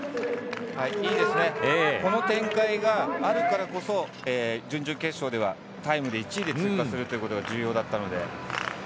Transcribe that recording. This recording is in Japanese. この展開があるからこそ準々決勝ではタイムで１位で通過することが重要だったので。